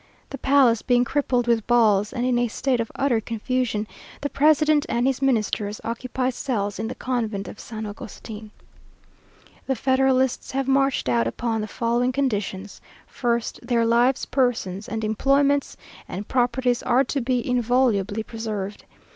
The palace being crippled with balls, and in a state of utter confusion, the president and his Ministers occupy cells in the convent of San Agustin. The Federalists have marched out upon the following conditions: 1st, Their lives, persons, and employments, and properties are to be inviolably preserved.